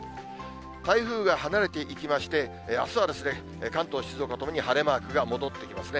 台風が離れていきまして、あすは関東、静岡ともに晴れマークが戻ってきますね。